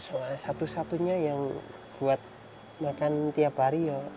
soal satu satunya yang buat makan tiap hari ya